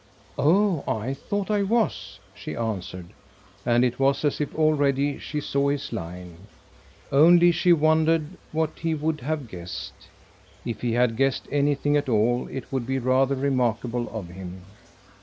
"Oh I thought I was," she answered; and it was as if already she saw his line. Only she wondered what he would have guessed. If he had guessed anything at all it would be rather remarkable of him.